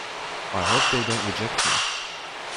I hope they don’t reject me.